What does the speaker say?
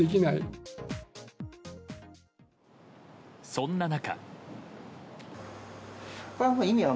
そんな中。